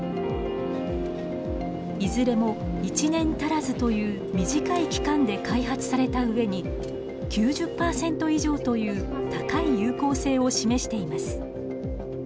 いずれも１年足らずという短い期間で開発されたうえに９０％以上という高い有効性を示しています。